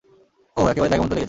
ওহ, একেবারে জায়গামতো লেগেছে।